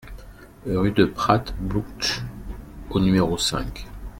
Rue de Prat Blouch au numéro cinq